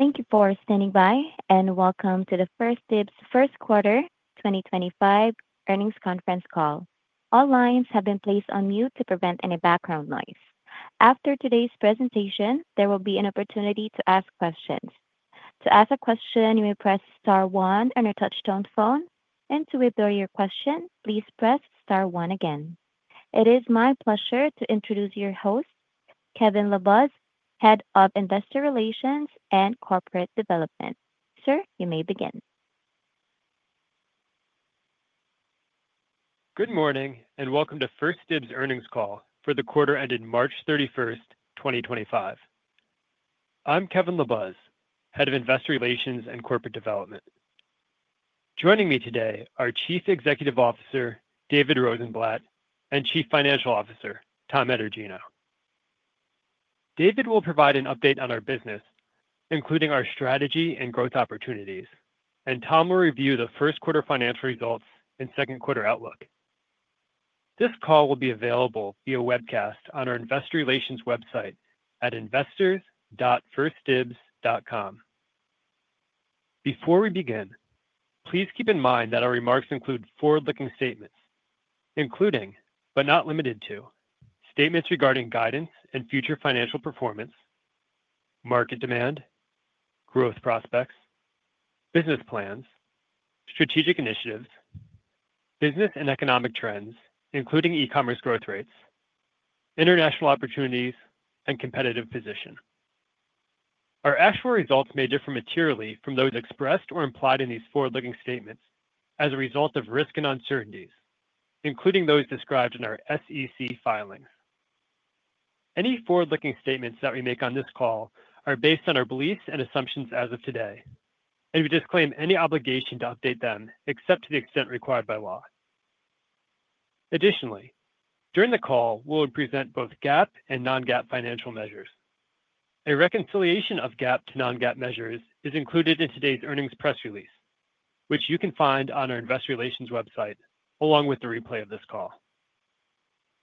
Thank you for standing by and welcome to the 1stDibs first quarter 2025 earnings conference call. All lines have been placed on mute to prevent any background noise. After today's presentation, there will be an opportunity to ask questions. To ask a question, you may press star one on your touch-tone phone, and to withdraw your question, please press star one again. It is my pleasure to introduce your host, Kevin LaBuz, Head of Investor Relations and Corporate Development. Sir, you may begin. Good morning and welcome to 1stDibs earnings call for the quarter ended March 31st, 2025. I'm Kevin LaBuz, Head of Investor Relations and Corporate Development. Joining me today are Chief Executive Officer David Rosenblatt and Chief Financial Officer Tom Etergino. David will provide an update on our business, including our strategy and growth opportunities, and Tom will review the first quarter financial results and second quarter outlook. This call will be available via webcast on our investor relations website at investors.1stdibs.com. Before we begin, please keep in mind that our remarks include forward-looking statements, including, but not limited to, statements regarding guidance and future financial performance, market demand, growth prospects, business plans, strategic initiatives, business and economic trends, including e-commerce growth rates, international opportunities, and competitive position. Our actual results may differ materially from those expressed or implied in these forward-looking statements as a result of risk and uncertainties, including those described in our SEC filings. Any forward-looking statements that we make on this call are based on our beliefs and assumptions as of today, and we disclaim any obligation to update them except to the extent required by law. Additionally, during the call, we'll present both GAAP and non-GAAP financial measures. A reconciliation of GAAP to non-GAAP measures is included in today's earnings press release, which you can find on our investor relations website along with the replay of this call.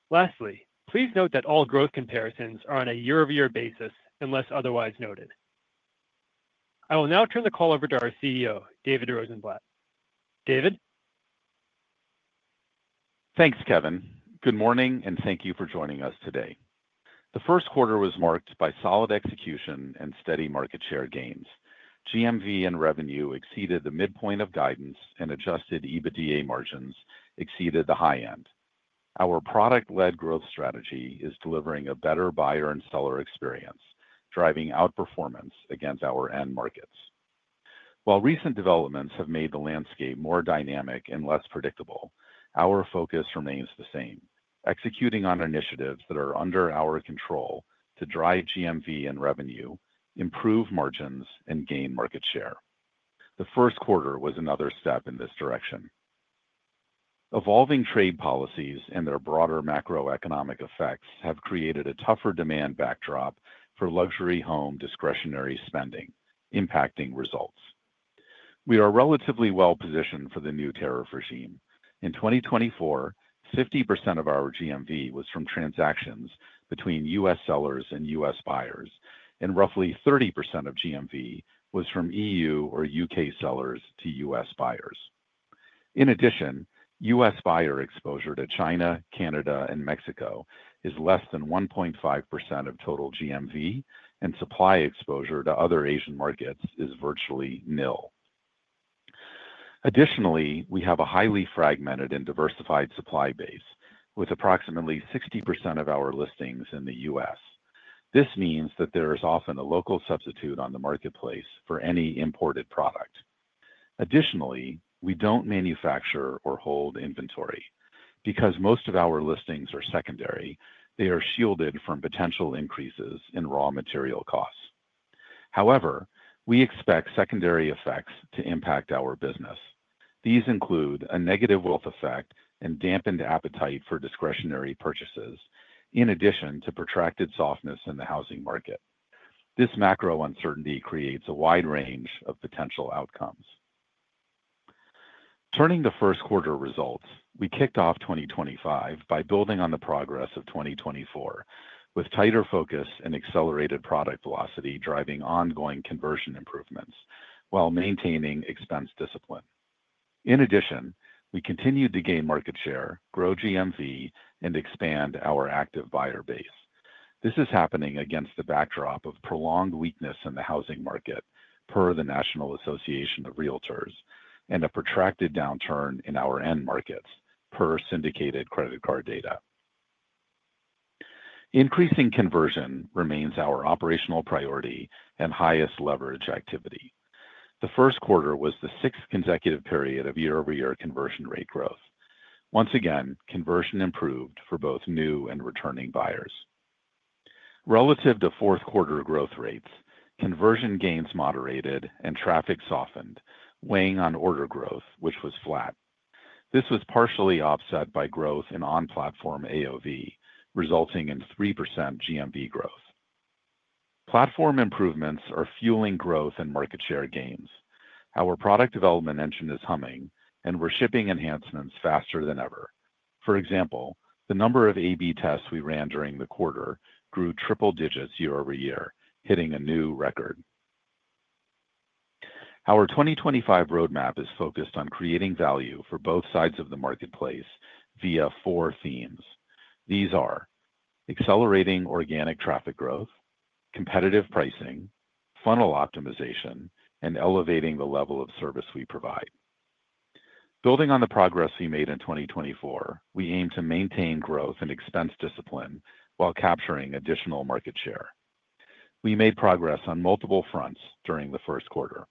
Lastly, please note that all growth comparisons are on a year-over-year basis unless otherwise noted. I will now turn the call over to our CEO, David Rosenblatt. David. Thanks, Kevin. Good morning and thank you for joining us today. The first quarter was marked by solid execution and steady market share gains. GMV and revenue exceeded the midpoint of guidance and adjusted EBITDA margins exceeded the high end. Our product-led growth strategy is delivering a better buyer and seller experience, driving outperformance against our end markets. While recent developments have made the landscape more dynamic and less predictable, our focus remains the same: executing on initiatives that are under our control to drive GMV and revenue, improve margins, and gain market share. The first quarter was another step in this direction. Evolving trade policies and their broader macroeconomic effects have created a tougher demand backdrop for luxury home discretionary spending, impacting results. We are relatively well positioned for the new tariff regime. In 2024, 50% of our GMV was from transactions between U.S. sellers and U.S. buyers, and roughly 30% of GMV was from EU or U.K. sellers to U.S. buyers. In addition, U.S. buyer exposure to China, Canada, and Mexico is less than 1.5% of total GMV, and supply exposure to other Asian markets is virtually nil. Additionally, we have a highly fragmented and diversified supply base, with approximately 60% of our listings in the U.S. This means that there is often a local substitute on the marketplace for any imported product. Additionally, we don't manufacture or hold inventory. Because most of our listings are secondary, they are shielded from potential increases in raw material costs. However, we expect secondary effects to impact our business. These include a negative wealth effect and dampened appetite for discretionary purchases, in addition to protracted softness in the housing market. This macro uncertainty creates a wide range of potential outcomes. Turning to first quarter results, we kicked off 2025 by building on the progress of 2024, with tighter focus and accelerated product velocity driving ongoing conversion improvements while maintaining expense discipline. In addition, we continued to gain market share, grow GMV, and expand our active buyer base. This is happening against the backdrop of prolonged weakness in the housing market, per the National Association of Realtors, and a protracted downturn in our end markets, per syndicated credit card data. Increasing conversion remains our operational priority and highest leverage activity. The first quarter was the sixth consecutive period of year-over-year conversion rate growth. Once again, conversion improved for both new and returning buyers. Relative to fourth quarter growth rates, conversion gains moderated and traffic softened, weighing on order growth, which was flat. This was partially offset by growth in on-platform AOV, resulting in 3% GMV growth. Platform improvements are fueling growth and market share gains. Our product development engine is humming, and we're shipping enhancements faster than ever. For example, the number of A/B tests we ran during the quarter grew triple digits year over year, hitting a new record. Our 2025 roadmap is focused on creating value for both sides of the marketplace via four themes. These are accelerating organic traffic growth, competitive pricing, funnel optimization, and elevating the level of service we provide. Building on the progress we made in 2024, we aim to maintain growth and expense discipline while capturing additional market share. We made progress on multiple fronts during the first quarter.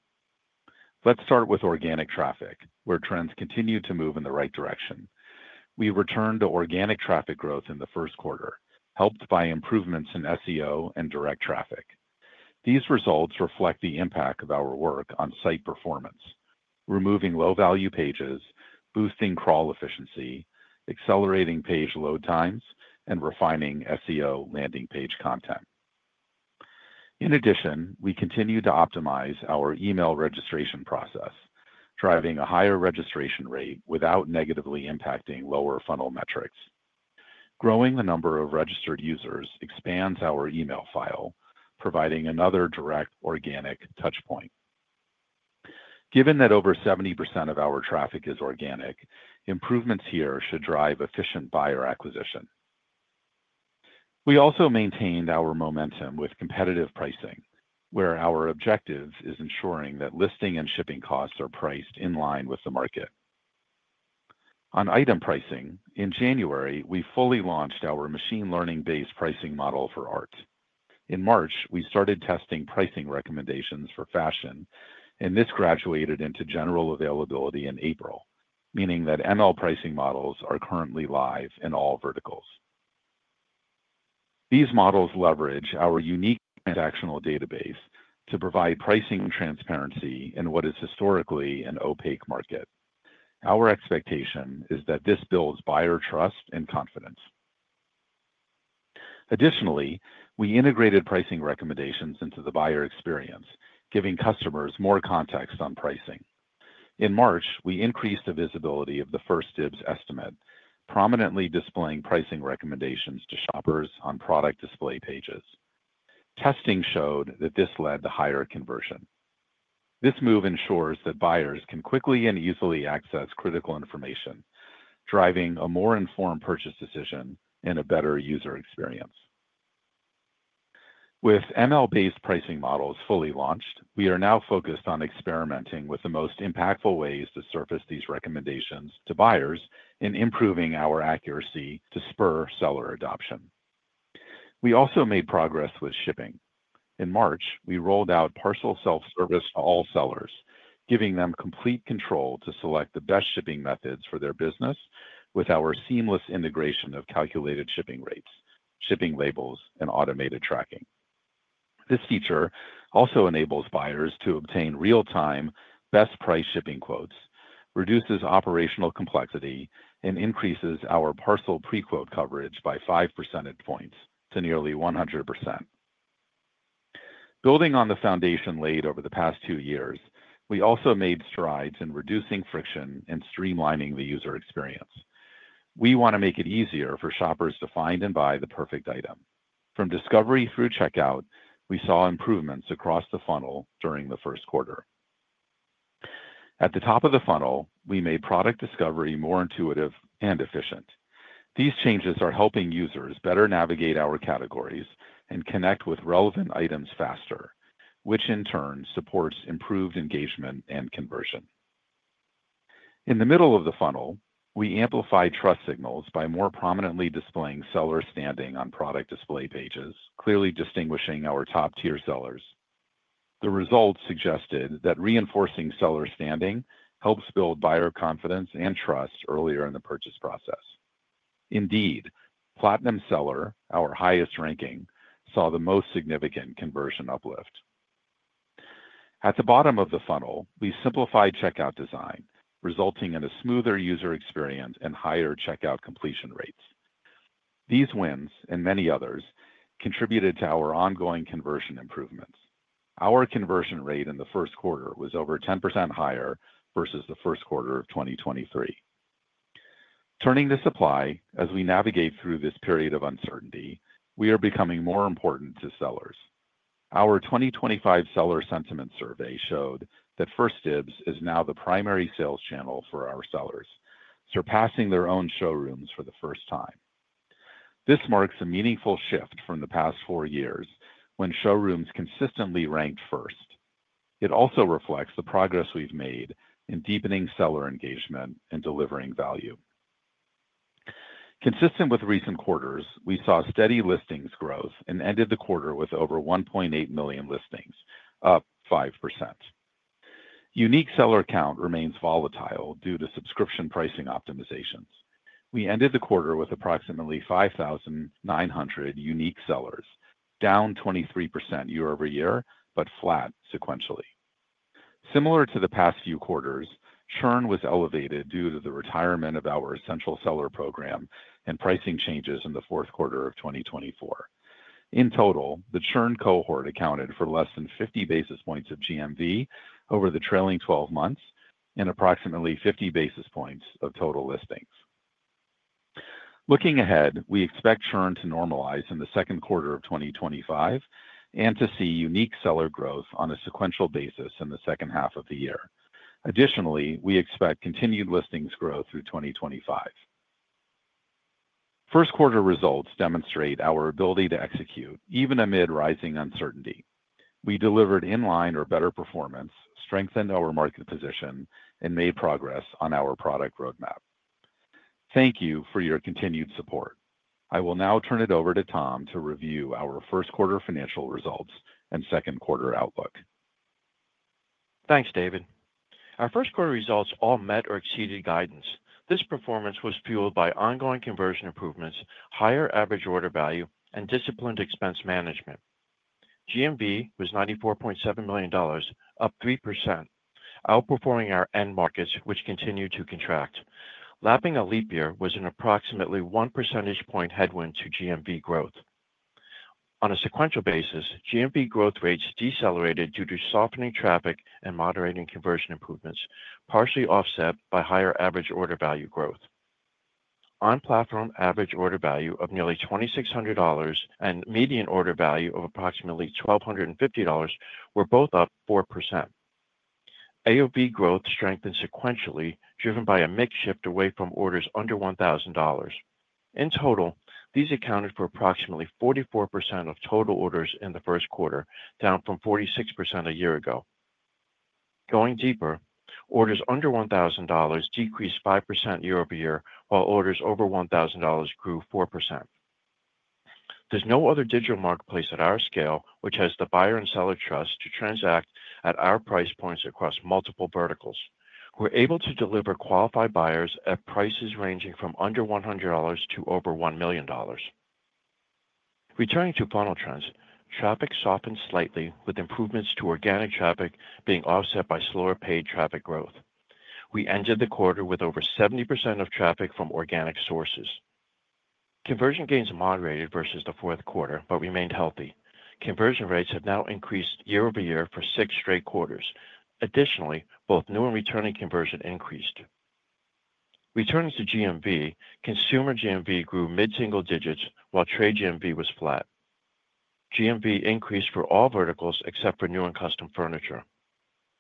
Let's start with organic traffic, where trends continue to move in the right direction. We returned to organic traffic growth in the first quarter, helped by improvements in SEO and direct traffic. These results reflect the impact of our work on site performance, removing low-value pages, boosting crawl efficiency, accelerating page load times, and refining SEO landing page content. In addition, we continue to optimize our email registration process, driving a higher registration rate without negatively impacting lower funnel metrics. Growing the number of registered users expands our email file, providing another direct organic touchpoint. Given that over 70% of our traffic is organic, improvements here should drive efficient buyer acquisition. We also maintained our momentum with competitive pricing, where our objective is ensuring that listing and shipping costs are priced in line with the market. On item pricing, in January, we fully launched our machine learning-based pricing model for art. In March, we started testing pricing recommendations for fashion, and this graduated into general availability in April, meaning that ML pricing models are currently live in all verticals. These models leverage our unique transactional database to provide pricing transparency in what is historically an opaque market. Our expectation is that this builds buyer trust and confidence. Additionally, we integrated pricing recommendations into the buyer experience, giving customers more context on pricing. In March, we increased the visibility of the 1stDibs estimate, prominently displaying pricing recommendations to shoppers on product display pages. Testing showed that this led to higher conversion. This move ensures that buyers can quickly and easily access critical information, driving a more informed purchase decision and a better user experience. With ML-based pricing models fully launched, we are now focused on experimenting with the most impactful ways to surface these recommendations to buyers and improving our accuracy to spur seller adoption. We also made progress with shipping. In March, we rolled out partial self-service to all sellers, giving them complete control to select the best shipping methods for their business with our seamless integration of calculated shipping rates, shipping labels, and automated tracking. This feature also enables buyers to obtain real-time best price shipping quotes, reduces operational complexity, and increases our partial pre-quote coverage by 5 percentage points to nearly 100%. Building on the foundation laid over the past two years, we also made strides in reducing friction and streamlining the user experience. We want to make it easier for shoppers to find and buy the perfect item. From discovery through checkout, we saw improvements across the funnel during the first quarter. At the top of the funnel, we made product discovery more intuitive and efficient. These changes are helping users better navigate our categories and connect with relevant items faster, which in turn supports improved engagement and conversion. In the middle of the funnel, we amplified trust signals by more prominently displaying seller standing on product display pages, clearly distinguishing our top-tier sellers. The results suggested that reinforcing seller standing helps build buyer confidence and trust earlier in the purchase process. Indeed, platinum seller, our highest ranking, saw the most significant conversion uplift. At the bottom of the funnel, we simplified checkout design, resulting in a smoother user experience and higher checkout completion rates. These wins and many others contributed to our ongoing conversion improvements. Our conversion rate in the first quarter was over 10% higher versus the first quarter of 2023. Turning to supply, as we navigate through this period of uncertainty, we are becoming more important to sellers. Our 2025 seller sentiment survey showed that 1stDibs is now the primary sales channel for our sellers, surpassing their own showrooms for the first time. This marks a meaningful shift from the past four years when showrooms consistently ranked first. It also reflects the progress we've made in deepening seller engagement and delivering value. Consistent with recent quarters, we saw steady listings growth and ended the quarter with over 1.8 million listings, up 5%. Unique seller count remains volatile due to subscription pricing optimizations. We ended the quarter with approximately 5,900 unique sellers, down 23% year-over-year, but flat sequentially. Similar to the past few quarters, churn was elevated due to the retirement of our essential seller program and pricing changes in the fourth quarter of 2024. In total, the churn cohort accounted for less than 50 basis points of GMV over the trailing 12 months and approximately 50 basis points of total listings. Looking ahead, we expect churn to normalize in the second quarter of 2025 and to see unique seller growth on a sequential basis in the second half of the year. Additionally, we expect continued listings growth through 2025. First quarter results demonstrate our ability to execute even amid rising uncertainty. We delivered in line or better performance, strengthened our market position, and made progress on our product roadmap. Thank you for your continued support. I will now turn it over to Tom to review our first quarter financial results and second quarter outlook. Thanks, David. Our first quarter results all met or exceeded guidance. This performance was fueled by ongoing conversion improvements, higher average order value, and disciplined expense management. GMV was $94.7 million, up 3%, outperforming our end markets, which continued to contract. Lapping a leap year was an approximately 1 percentage point headwind to GMV growth. On a sequential basis, GMV growth rates decelerated due to softening traffic and moderating conversion improvements, partially offset by higher average order value growth. On-platform average order value of nearly $2,600 and median order value of approximately $1,250 were both up 4%. AOV growth strengthened sequentially, driven by a mix shift away from orders under $1,000. In total, these accounted for approximately 44% of total orders in the first quarter, down from 46% a year ago. Going deeper, orders under $1,000 decreased 5% year-over-year, while orders over $1,000 grew 4%. There's no other digital marketplace at our scale which has the buyer and seller trust to transact at our price points across multiple verticals. We're able to deliver qualified buyers at prices ranging from under $100 to over $1 million. Returning to funnel trends, traffic softened slightly, with improvements to organic traffic being offset by slower paid traffic growth. We ended the quarter with over 70% of traffic from organic sources. Conversion gains moderated versus the fourth quarter, but remained healthy. Conversion rates have now increased year over year for six straight quarters. Additionally, both new and returning conversion increased. Returning to GMV, consumer GMV grew mid-single digits, while trade GMV was flat. GMV increased for all verticals except for new and custom furniture.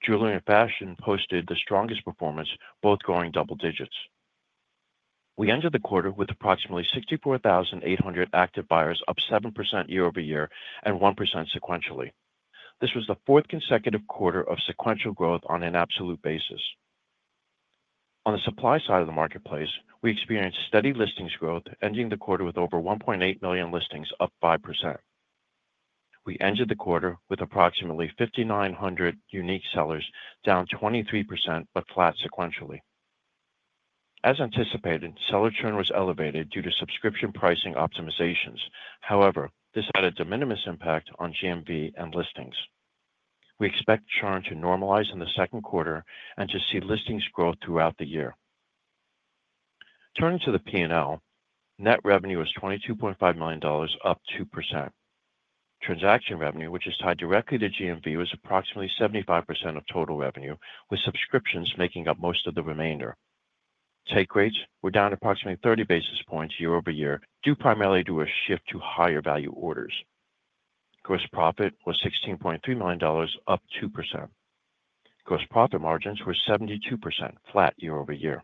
Jewelry and fashion posted the strongest performance, both going double digits. We ended the quarter with approximately 64,800 active buyers, up 7% year-over-year and 1% sequentially. This was the fourth consecutive quarter of sequential growth on an absolute basis. On the supply side of the marketplace, we experienced steady listings growth, ending the quarter with over 1.8 million listings, up 5%. We ended the quarter with approximately 5,900 unique sellers, down 23%, but flat sequentially. As anticipated, seller churn was elevated due to subscription pricing optimizations. However, this had a de minimis impact on GMV and listings. We expect churn to normalize in the second quarter and to see listings growth throughout the year. Turning to the P&L, net revenue was $22.5 million, up 2%. Transaction revenue, which is tied directly to GMV, was approximately 75% of total revenue, with subscriptions making up most of the remainder. Take rates were down approximately 30 basis points year-over-year, due primarily to a shift to higher value orders. Gross profit was $16.3 million, up 2%. Gross profit margins were 72%, flat year over year.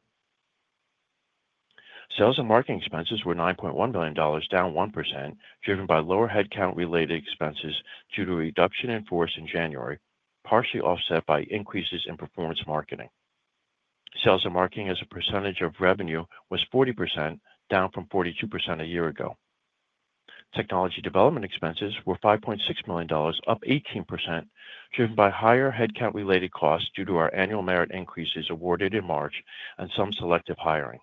Sales and marketing expenses were $9.1 million, down 1%, driven by lower headcount-related expenses due to reduction in force in January, partially offset by increases in performance marketing. Sales and marketing as a percentage of revenue was 40%, down from 42% a year ago. Technology development expenses were $5.6 million, up 18%, driven by higher headcount-related costs due to our annual merit increases awarded in March and some selective hiring.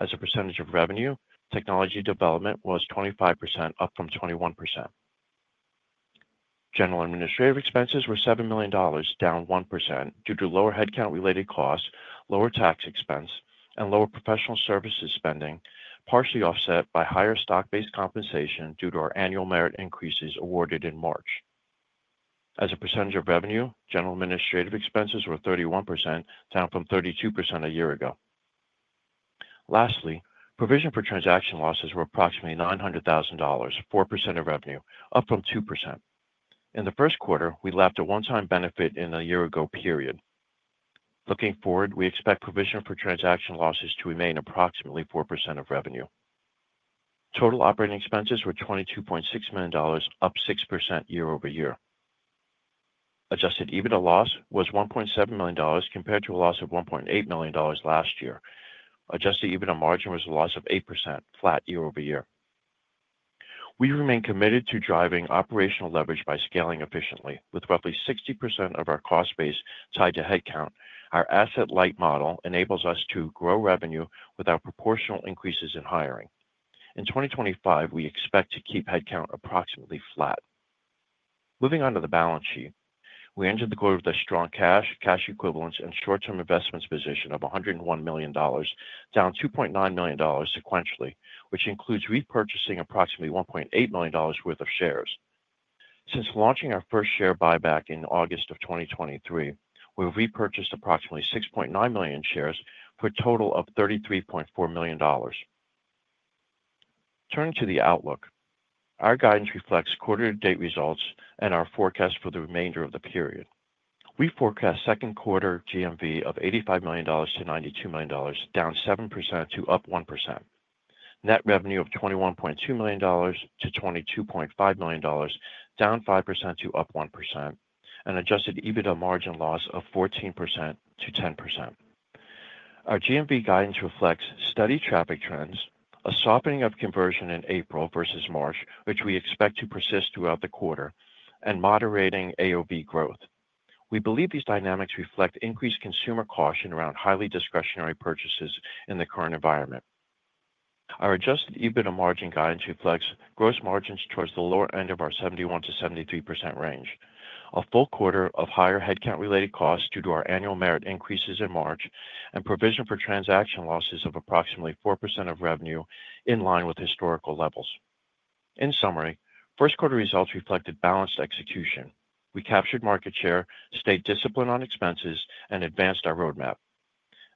As a percentage of revenue, technology development was 25%, up from 21%. General administrative expenses were $7 million, down 1%, due to lower headcount-related costs, lower tax expense, and lower professional services spending, partially offset by higher stock-based compensation due to our annual merit increases awarded in March. As a percentage of revenue, general administrative expenses were 31%, down from 32% a year ago. Lastly, provision for transaction losses were approximately $900,000, 4% of revenue, up from 2%. In the first quarter, we lapped a one-time benefit in a year-ago period. Looking forward, we expect provision for transaction losses to remain approximately 4% of revenue. Total operating expenses were $22.6 million, up 6% year over year. Adjusted EBITDA loss was $1.7 million compared to a loss of $1.8 million last year. Adjusted EBITDA margin was a loss of 8%, flat year over year. We remain committed to driving operational leverage by scaling efficiently. With roughly 60% of our cost base tied to headcount, our asset-light model enables us to grow revenue without proportional increases in hiring. In 2025, we expect to keep headcount approximately flat. Moving on to the balance sheet, we entered the quarter with a strong cash, cash equivalents, and short-term investments position of $101 million, down $2.9 million sequentially, which includes repurchasing approximately $1.8 million worth of shares. Since launching our first share buyback in August of 2023, we've repurchased approximately 6.9 million shares for a total of $33.4 million. Turning to the outlook, our guidance reflects quarter-to-date results and our forecast for the remainder of the period. We forecast second quarter GMV of $85 million-$92 million, down 7% to up 1%. Net revenue of $21.2 million-$22.5 million, down 5% to up 1%, and adjusted EBITDA margin loss of 14%-10%. Our GMV guidance reflects steady traffic trends, a softening of conversion in April versus March, which we expect to persist throughout the quarter, and moderating AOV growth. We believe these dynamics reflect increased consumer caution around highly discretionary purchases in the current environment. Our adjusted EBITDA margin guidance reflects gross margins towards the lower end of our 71%-73% range, a full quarter of higher headcount-related costs due to our annual merit increases in March, and provision for transaction losses of approximately 4% of revenue, in line with historical levels. In summary, first quarter results reflected balanced execution. We captured market share, stayed disciplined on expenses, and advanced our roadmap.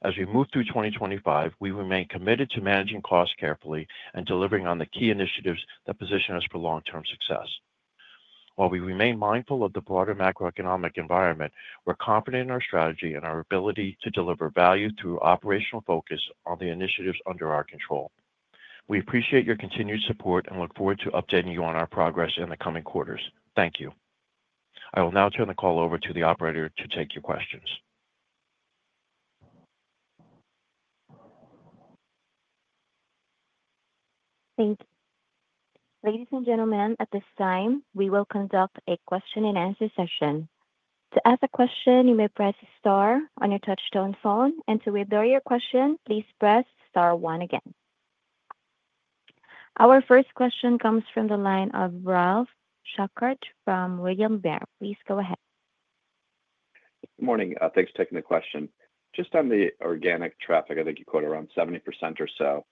As we move through 2025, we remain committed to managing costs carefully and delivering on the key initiatives that position us for long-term success. While we remain mindful of the broader macroeconomic environment, we're confident in our strategy and our ability to deliver value through operational focus on the initiatives under our control. We appreciate your continued support and look forward to updating you on our progress in the coming quarters. Thank you. I will now turn the call over to the operator to take your questions. Thank you. Ladies and gentlemen, at this time, we will conduct a question-and-answer session. To ask a question, you may press star on your touch-tone phone, and to read or hear your question, please press star one again. Our first question comes from the line of Ralph Schackart from William Blair. Please go ahead. Good morning. Thanks for taking the question. Just on the organic traffic, I think you quoted around 70% or so.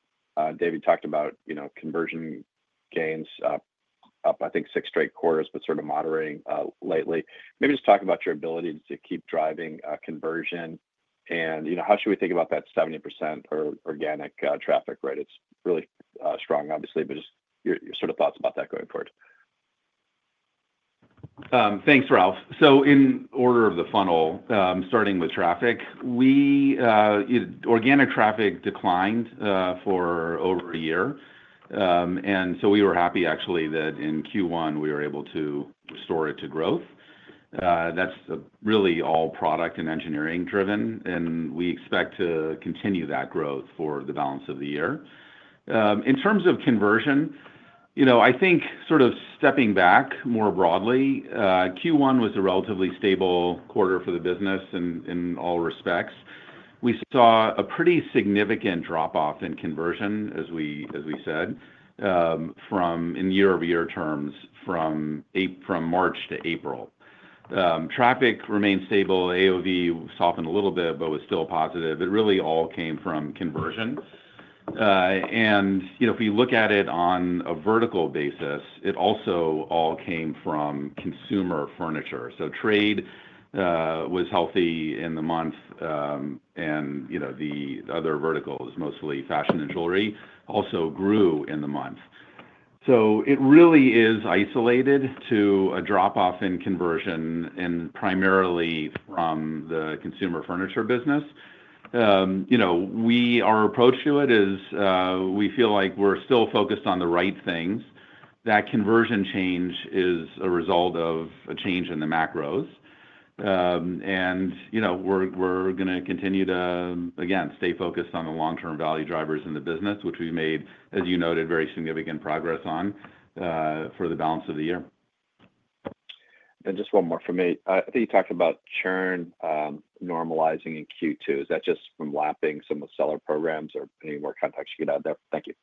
David talked about conversion gains up, I think, six straight quarters, but sort of moderating lately. Maybe just talk about your ability to keep driving conversion and how should we think about that 70% organic traffic, right? It's really strong, obviously, but just your sort of thoughts about that going forward. Thanks, Ralph. In order of the funnel, starting with traffic, organic traffic declined for over a year. We were happy, actually, that in Q1, we were able to restore it to growth. That is really all product and engineering-driven, and we expect to continue that growth for the balance of the year. In terms of conversion, I think sort of stepping back more broadly, Q1 was a relatively stable quarter for the business in all respects. We saw a pretty significant drop-off in conversion, as we said, in year-over-year terms from March to April. Traffic remained stable. AOV softened a little bit, but was still positive. It really all came from conversion. If we look at it on a vertical basis, it also all came from consumer furniture. Trade was healthy in the month, and the other verticals, mostly fashion and jewelry, also grew in the month. It really is isolated to a drop-off in conversion and primarily from the consumer furniture business. Our approach to it is we feel like we're still focused on the right things. That conversion change is a result of a change in the macros. We're going to continue to, again, stay focused on the long-term value drivers in the business, which we made, as you noted, very significant progress on for the balance of the year. Just one more from me. I think you talked about churn normalizing in Q2. Is that just from lapping some of the seller programs or any more context you could add there? Thank you.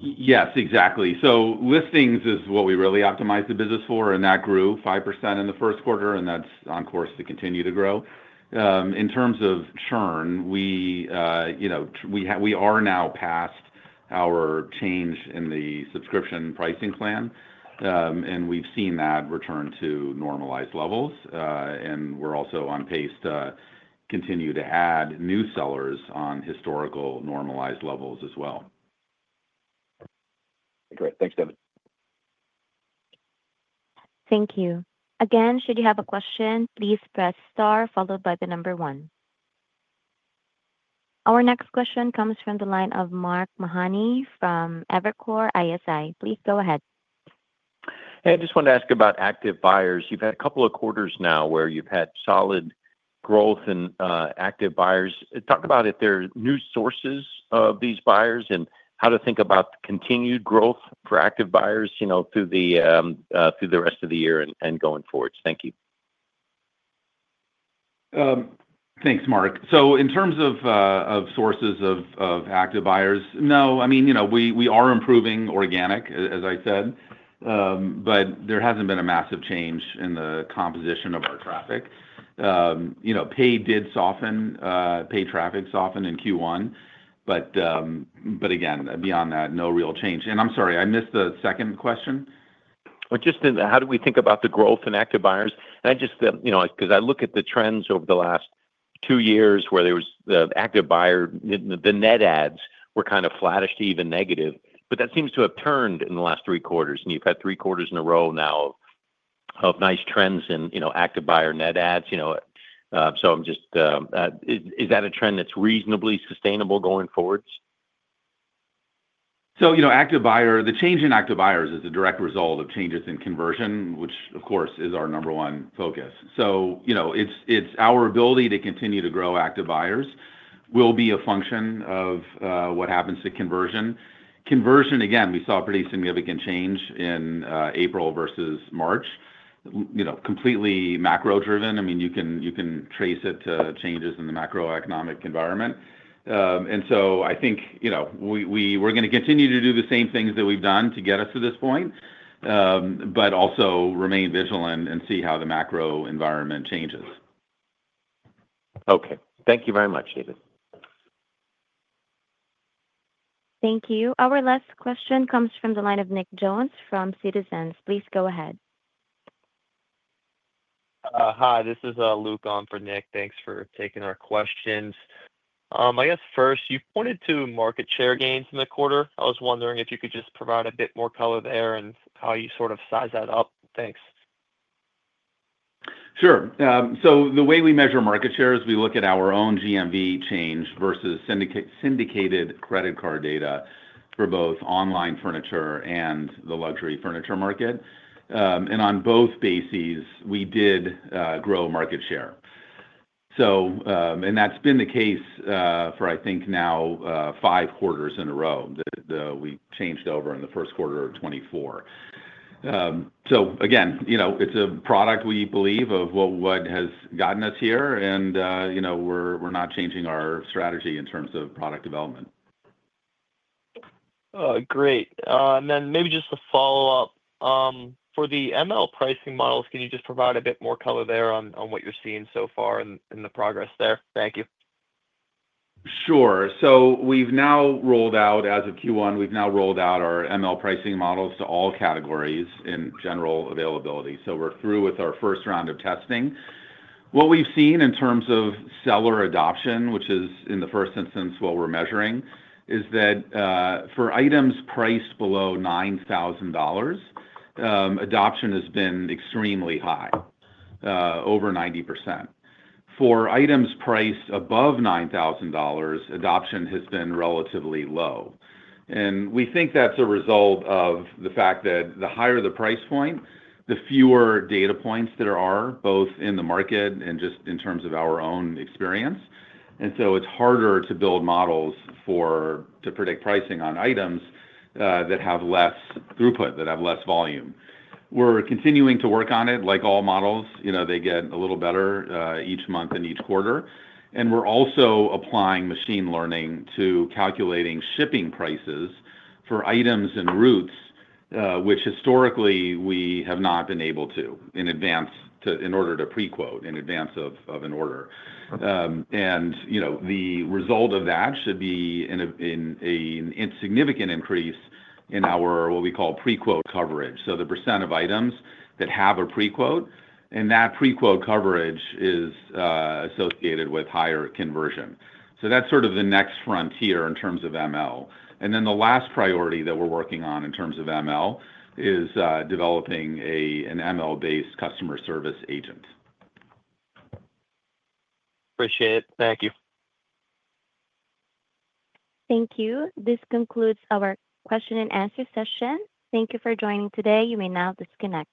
Yes, exactly. Listings is what we really optimized the business for, and that grew 5% in the first quarter, and that's on course to continue to grow. In terms of churn, we are now past our change in the subscription pricing plan, and we've seen that return to normalized levels. We're also on pace to continue to add new sellers on historical normalized levels as well. Great. Thanks, David. Thank you. Again, should you have a question, please press star followed by the number one. Our next question comes from the line of Mark Mahaney from Evercore ISI. Please go ahead. Hey, I just wanted to ask about active buyers. You've had a couple of quarters now where you've had solid growth in active buyers. Talk about if there are new sources of these buyers and how to think about continued growth for active buyers through the rest of the year and going forward. Thank you. Thanks, Mark. In terms of sources of active buyers, no. I mean, we are improving organic, as I said, but there has not been a massive change in the composition of our traffic. Paid traffic softened in Q1, but again, beyond that, no real change. I'm sorry, I missed the second question. Just how do we think about the growth in active buyers? Just because I look at the trends over the last two years where there was the active buyer, the net adds were kind of flattish to even negative, but that seems to have turned in the last three quarters. You have had three quarters in a row now of nice trends in active buyer net adds. I am just, is that a trend that is reasonably sustainable going forward? The change in active buyers is a direct result of changes in conversion, which, of course, is our number one focus. It is our ability to continue to grow active buyers that will be a function of what happens to conversion. Conversion, again, we saw a pretty significant change in April versus March, completely macro-driven. I mean, you can trace it to changes in the macroeconomic environment. I think we are going to continue to do the same things that we have done to get us to this point, but also remain vigilant and see how the macro environment changes. Okay. Thank you very much, David. Thank you. Our last question comes from the line of Nicholas Jones from Citizens. Please go ahead. Hi, this is Luke on for Nick. Thanks for taking our questions. I guess first, you pointed to market share gains in the quarter. I was wondering if you could just provide a bit more color there and how you sort of size that up. Thanks. Sure. The way we measure market share is we look at our own GMV change versus syndicated credit card data for both online furniture and the luxury furniture market. On both bases, we did grow market share. That has been the case for, I think, now five quarters in a row that we changed over in the first quarter of 2024. It is a product we believe of what has gotten us here, and we are not changing our strategy in terms of product development. Great. Maybe just a follow-up. For the ML pricing models, can you just provide a bit more color there on what you're seeing so far and the progress there? Thank you. Sure. We have now rolled out, as of Q1, we have now rolled out our ML pricing models to all categories in general availability. We are through with our first round of testing. What we have seen in terms of seller adoption, which is, in the first instance, what we are measuring, is that for items priced below $9,000, adoption has been extremely high, over 90%. For items priced above $9,000, adoption has been relatively low. We think that is a result of the fact that the higher the price point, the fewer data points there are, both in the market and just in terms of our own experience. It is harder to build models to predict pricing on items that have less throughput, that have less volume. We are continuing to work on it. Like all models, they get a little better each month and each quarter. We're also applying machine learning to calculating shipping prices for items and routes, which historically we have not been able to in order to pre-quote in advance of an order. The result of that should be an insignificant increase in our what we call pre-quote coverage. The percent of items that have a pre-quote, and that pre-quote coverage is associated with higher conversion. That's sort of the next frontier in terms of ML. The last priority that we're working on in terms of ML is developing an ML-based customer service agent. Appreciate it. Thank you. Thank you. This concludes our question-and-answer session. Thank you for joining today. You may now disconnect.